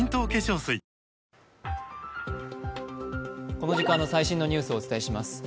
この時間の最新のニュースをお伝えします。